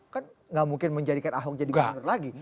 kan nggak mungkin menjadikan ahok jadi gubernur lagi